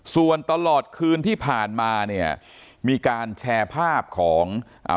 ส่วนตลอดคืนที่ผ่านมาเนี่ยมีการแชร์ภาพของอ่า